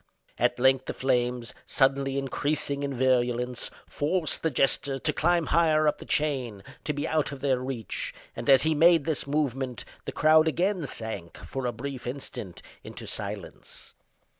At length the flames, suddenly increasing in virulence, forced the jester to climb higher up the chain, to be out of their reach; and, as he made this movement, the crowd again sank, for a brief instant, into silence.